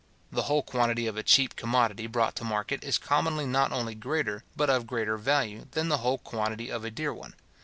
The whole quantity of a cheap commodity brought to market is commonly not only greater, but of greater value, than the whole quantity of a dear one.